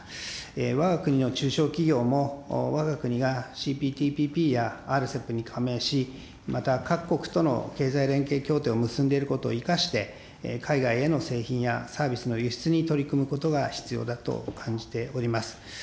わが国の中小企業も、わが国がＣＰＴＰＰや、ＲＣＥＰに加盟し、また各国との経済連携協定を結んでいることを生かして、海外への製品やサービスの輸出に取り組むことが必要だと感じております。